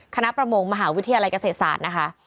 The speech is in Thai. ประมงมหาวิทยาลัยเกษตรศาสตร์นะคะ